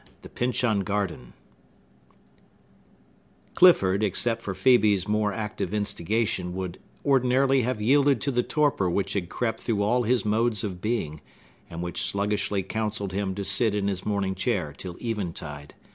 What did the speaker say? X. The Pyncheon Garden Clifford, except for Phœbe's more active instigation would ordinarily have yielded to the torpor which had crept through all his modes of being, and which sluggishly counselled him to sit in his morning chair till eventide.